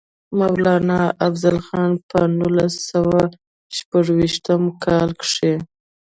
مولانا افضل خان پۀ نولس سوه شپږيشتم کال کښې